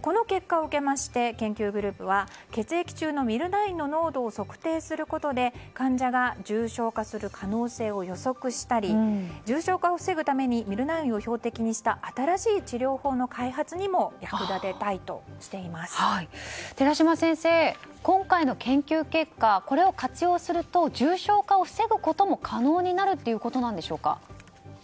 この結果を受けまして研究グループは血液中のミルナインの濃度を測定することで患者が重症化する可能性を予測したり重症化を防ぐためにミルナインを標的にした新しい治療法の開発にも寺嶋先生、今回の研究結果これを活用すると重症化を防ぐことも可能になるということなんでしょうか？